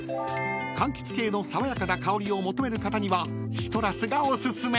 ［かんきつ系の爽やかな香りを求める方にはシトラスがお薦め］